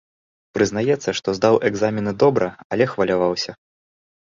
Прызнаецца, што здаў экзамены добра, але хваляваўся.